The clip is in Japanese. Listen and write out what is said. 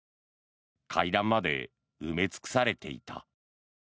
階段まで埋め尽くされていた。